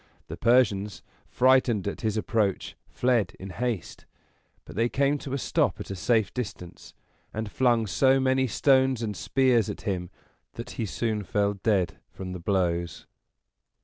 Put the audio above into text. The Persians, frightened at his approach, fled in haste; but they came to a stop at a safe distance, and flung so many stones and spears at him that he soon fell dead from the blows.